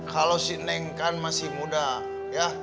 kalau si nenek kan masih muda ya